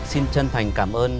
xin chân thành cảm ơn